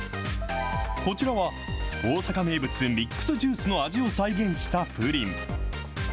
こちらは、大阪名物、ミックスジュースの味を再現したプリン。